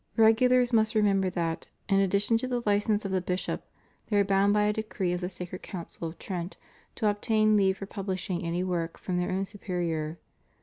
Regulars must remember that, in addition to the license of the bishop, they are bound by a decree of the Sacred Council of Trent to obtain leave for pubhshing any work from their own superior.